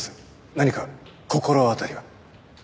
何か心当たりは？